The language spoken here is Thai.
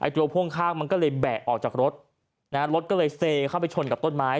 ตัวพ่วงข้างมันก็เลยแบะออกจากรถนะฮะรถก็เลยเซเข้าไปชนกับต้นไม้